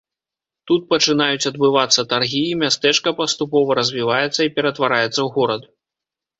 Тут пачынаюць адбывацца таргі, і мястэчка паступова развіваецца і ператвараецца ў горад.